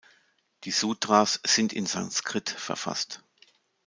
Die Sutras sind in Sanskrit verfasst.